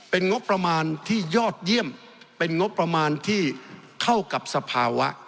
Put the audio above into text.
เป็นงบประมาณที่ยอดเยี่ยมเป็นงบประมาณที่เข้ากับสภาวะ